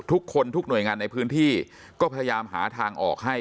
ทุกคนทุกหน่วยงานในพื้นที่ก็พยายามหาทางออกให้